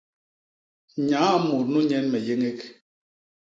Nyaa mut nu nyen me yéñék.